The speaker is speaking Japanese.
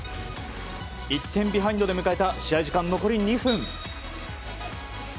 １点ビハインドで迎えた試合時間残り２分。